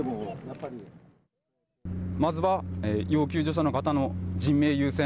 まずは要救助者の方の人命優先。